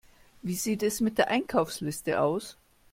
Wie sieht es mit der Einkaufsliste aus?